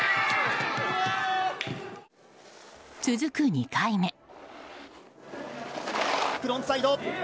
続く２回目。